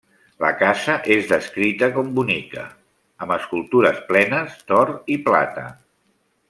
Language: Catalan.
La casa és descrita com bonica, amb escultures plenes d'or i plata.